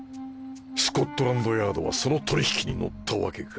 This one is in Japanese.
スコットランドヤードはその取引に乗ったわけか。